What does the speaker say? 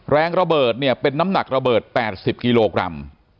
แรงระเบิดเนี่ยเป็นน้ำหนักระเบิด๘๐กิโลกรัม